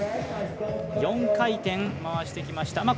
４回転、回してきました。